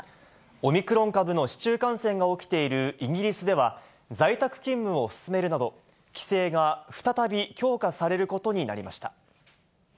オミクロン株の市中感染が起きているイギリスでは、在宅勤務を勧めるなど、規制が再び強化されることになりました。